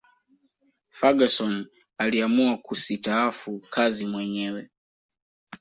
ferguson aliamua kusitaafu kazi mwenyewe